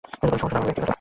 সমস্যাটা আমার ব্যক্তিগত!